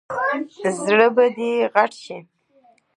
زړه به دې غټ شي !